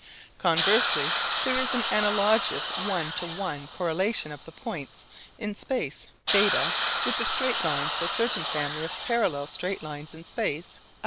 Conversely there is an analogous one to one correlation of the points in space β with the straight lines of a certain family of parallel straight lines in space α.